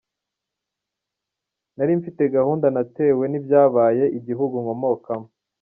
Nari mfite agahinda natewe n’ibyabaye igihugu nkomokamo”.